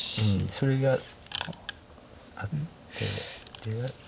それがあって。